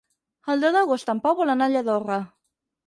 El deu d'agost en Pau vol anar a Lladorre.